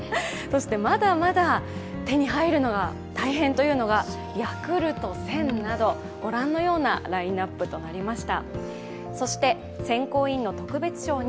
まだまだ手に入るのが大変というのがＹａｋｕｌｔ１０００など、ご覧のようなラインナップとなりました。